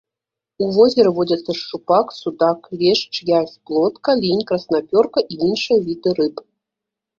У возеры водзяцца шчупак, судак, лешч, язь, плотка, лінь, краснапёрка і іншыя віды рыб.